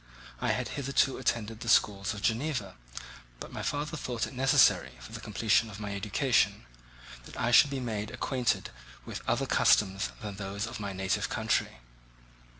I had hitherto attended the schools of Geneva, but my father thought it necessary for the completion of my education that I should be made acquainted with other customs than those of my native country.